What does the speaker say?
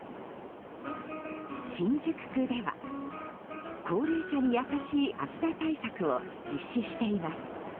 新宿区では高齢者に優しい暑さ対策を実施しています。